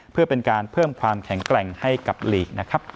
เพื่อเป็นการเพิ่มความแข็งแกร่งให้กับลีกนะครับ